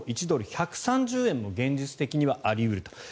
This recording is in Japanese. １ドル＝１３０円も現実的にあり得ると。